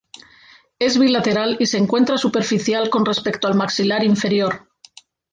Es bilateral y se encuentra superficial con respecto al maxilar inferior.